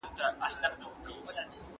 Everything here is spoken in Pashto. بهرنۍ پالیسي د ګډو ګټو پر ضد نه وي.